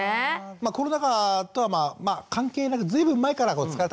コロナ禍とは関係なく随分前から「疲れた」というワードが。